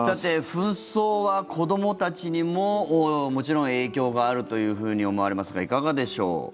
紛争は子どもたちにももちろん影響があるというふうに思われますが、いかがでしょう。